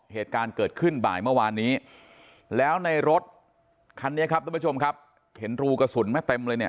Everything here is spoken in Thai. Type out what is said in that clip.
เหตุการณ์เกิดขึ้นบ่ายเมื่อวานนี้แล้วในรถคันนี้ครับทุกผู้ชมครับเห็นรูกระสุนไหมเต็มเลยเนี่ย